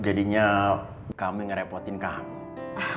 jadinya kamu yang ngerepotin kamu